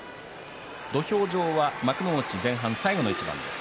土俵上は幕内前半最後の一番です。